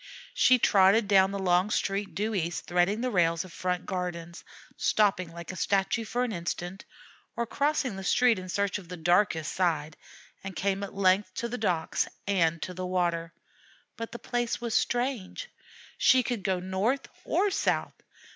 She trotted down the long Street due east, threading the rails of front gardens, stopping like a statue for an instant, or crossing the street in search of the darkest side, and came at length to the docks and to the water. But the place was strange. She could go north or south.